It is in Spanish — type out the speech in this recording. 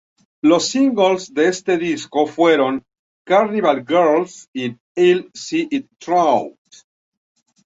Los singles de este disco fueron "Carnival Girl" y "I'll See It Through".